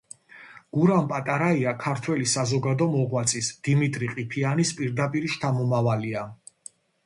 გურამ პატარაია ქართველი საზოგადო მოღვაწის, დიმიტრი ყიფიანის პირდაპირი შთამომავალია.